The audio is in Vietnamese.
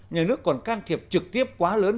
nhà nước còn can thiệp trực tiếp quá lớn